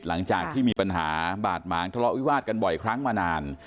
หลังจากที่มีปัญหาบาดหมางทะเลาะวิวาดกันบ่อยครั้งมานาน